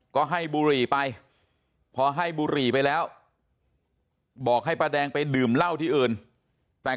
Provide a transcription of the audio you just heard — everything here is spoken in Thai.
ก็ให้บุหรี่ไปพอให้บุหรี่ไปแล้วบอกให้ป้าแดงไปดื่มเหล้าที่อื่นแต่